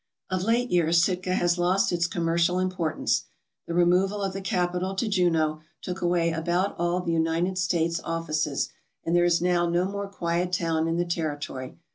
Of late years Sitka has lost its commercial importance. The removal of the capital to Juneau took away about all the United States offices, and there is now no more quiet town in the territory.